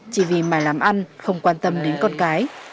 chỉ vì mài làm ăn không quan tâm đến con cái